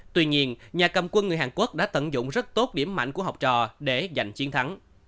tuy nhiên nhà cầm quân người hàn quốc đã tận dụng rất tốt điểm mạnh của học trò để giành chiến thắng